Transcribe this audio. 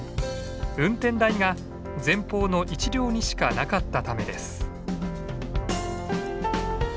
運転台が前方の一両にしかなかったためです。